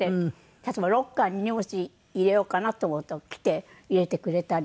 例えばロッカーに荷物入れようかなって思うと来て入れてくれたり。